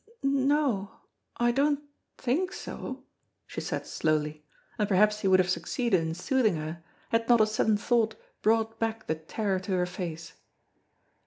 "N no, I don't think so," she said slowly, and perhaps he would have succeeded in soothing her, had not a sudden thought brought back the terror to her face.